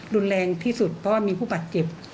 รุนแรงที่สุดเพราะว่ามีผู้บาดเจ็บ